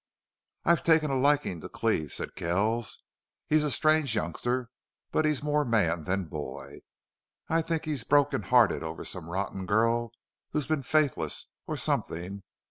"I've taken a liking to Cleve," said Kells. "He's a strange youngster. But he's more man than boy. I think he's broken hearted over some rotten girl who's been faithless or something.